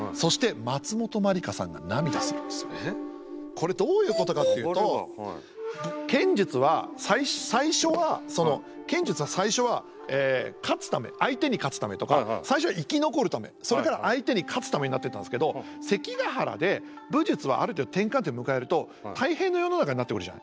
これどういうことかっていうと剣術は最初はその剣術の最初は勝つため相手に勝つためとか最初は生き残るためそれから相手に勝つためになってったんですけど関ヶ原で武術はある程度転換点を迎えると太平の世の中になってくるじゃない。